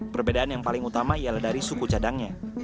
perbedaan yang paling utama ialah dari suku cadangnya